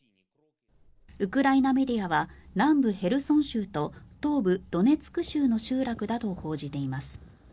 ウクライナメディアは南部ヘルソン州と東部ドネツク州の集落だと報じています。